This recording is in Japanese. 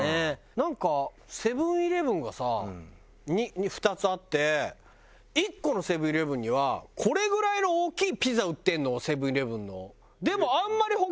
なんかセブン−イレブンがさ２つあって１個のセブン−イレブンにはこれぐらいの大きいピザ売ってるのセブン−イレブンの。